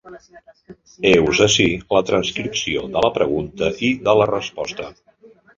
Heus ací la transcripció de la pregunta i de la resposta.